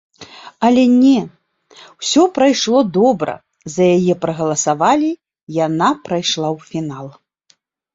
Але не, усё прайшло добра, за яе прагаласавалі, яна прайшла ў фінал.